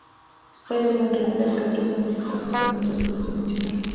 Spider-Man revela que otros zombis están buscando un transporte dimensional.